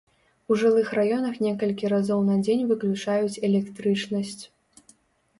У жылых раёнах некалькі разоў на дзень выключаюць электрычнасць.